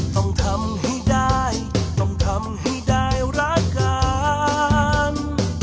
ต้องทำให้ได้ต้องทำให้ได้รักกัน